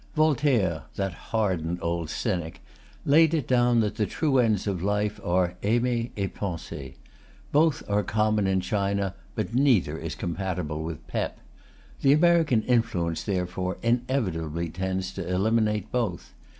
Voltaire that hardened old cynic laid it down that the true ends of life are "aimer et penser." Both are common in China, but neither is compatible with "pep." The American influence, therefore, inevitably tends to eliminate both.